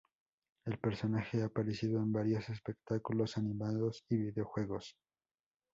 El personaje ha aparecido en varios espectáculos animados y videojuegos.